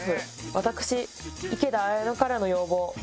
私、池田彩乃からの要望。